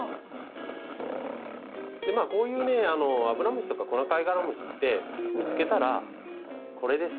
こういうねアブラムシとかコナカイガラムシって見つけたらこれです。